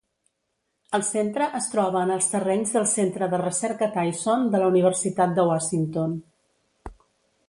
El Centre es troba en els terrenys del Centre de recerca Tyson de la Universitat de Washington.